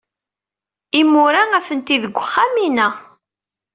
Imura atni deg wexxam-inna.